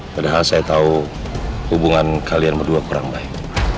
padahal saya tahu hubungan kalian berdua kurang baik